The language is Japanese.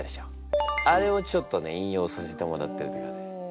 あれをちょっとね引用させてもらったりとかね。